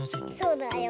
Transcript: そうだよ。